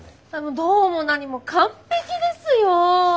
どうも何も完璧ですよ。